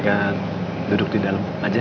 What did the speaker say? ayo duduk di dalam aja